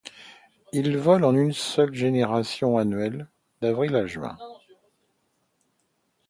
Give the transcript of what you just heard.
Il vole en une seule génération annuelle, d'avril à juin.